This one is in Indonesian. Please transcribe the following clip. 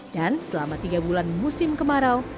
dan selama tiga bulan musim kemarau